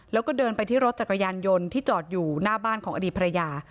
แล้วก็เดินไปที่รถจักรยานยนต์ที่จอดอยู่หน้าบ้านของอดีตภรรยา